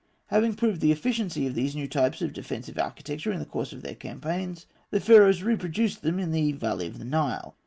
Having proved the efficacy of these new types of defensive architecture in the course of their campaigns, the Pharaohs reproduced them in the valley of the Nile.